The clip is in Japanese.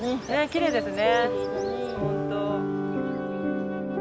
きれいですね。